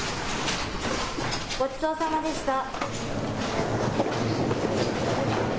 ごちそうさまでした。